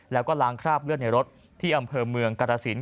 แล้วก็ล้างคราบเลือดในรถที่อำเภอเมืองกรสิน